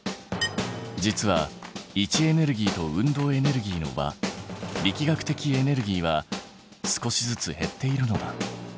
実は位置エネルギーと運動エネルギーの和力学的エネルギーは少しずつ減っているのだ。